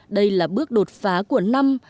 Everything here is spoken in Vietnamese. đây là bước đột phá của năm